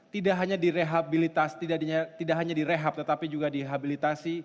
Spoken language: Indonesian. tidak hanya direhabilitas tidak hanya direhab tetapi juga dihabilitasi